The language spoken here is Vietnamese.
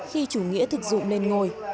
khi chủ nghĩa thực dụng nên ngôi